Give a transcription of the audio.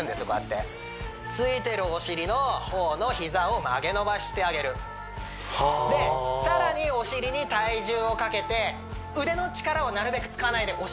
こうやってついてるお尻の方の膝を曲げ伸ばししてあげるはで更にお尻に体重をかけて腕の力をなるべく使わないで